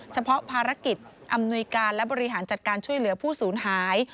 เฉพาะภารกิจอำนวยการและบริหารจัดการช่วยเหลือผู้ศูนย์หาย